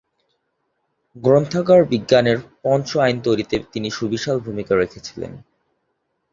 গ্রন্থাগার বিজ্ঞানের পঞ্চ আইন তৈরীতে তিনি সুবিশাল ভূমিকা রেখেছিলেন।